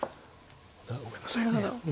ごめんなさい。